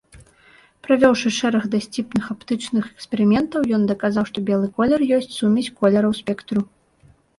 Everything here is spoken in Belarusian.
Правёўшы шэраг дасціпных аптычных эксперыментаў, ён даказаў, што белы колер ёсць сумесь колераў спектру.